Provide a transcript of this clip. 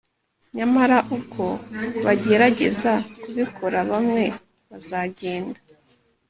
Nyamara uko bagerageza kubikora bamwe bazagenda